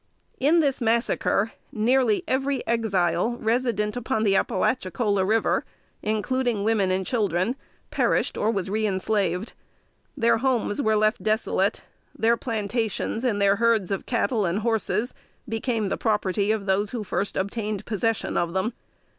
In this massacre, nearly every Exile resident upon the Appalachicola River, including women and children, perished or was reënslaved. Their homes were left desolate; their plantations, and their herds of cattle and horses, became the property of those who first obtained possession of them.